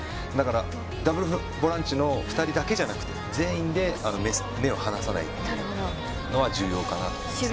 ダブルボランチの２人だけじゃなくて全員で目を離さないというのは重要かなと思います。